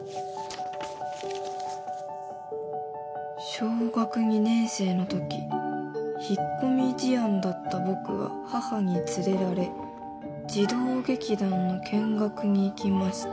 「小学２年生の時」「引っ込み思案だった僕は母に連れられ」「児童劇団の見学に行きました」